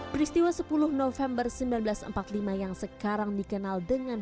peristiwa sepuluh november seribu sembilan ratus empat puluh lima yang sekarang dikenal dengan